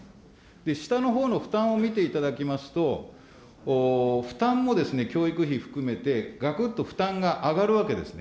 下のほうの負担を見ていただきますと、負担も教育費含めて、がくっと負担が上がるわけですね。